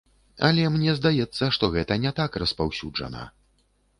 Але мне здаецца, што гэта не так распаўсюджана.